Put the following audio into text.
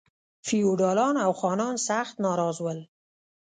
فیوډالان او خانان سخت ناراض ول.